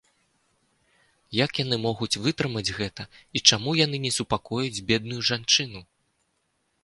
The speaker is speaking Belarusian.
Як яны могуць вытрымаць гэта і чаму яны не супакояць бедную жанчыну?